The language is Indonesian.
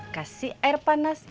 kasih air panas